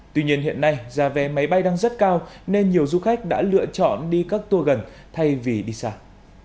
tuy nhiên hiện nay giá vé máy bay đang rất cao nên nhiều du khách đã lựa chọn đi các tour gần thay vì đi xa